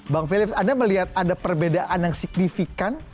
bang philips anda melihat ada perbedaan yang signifikan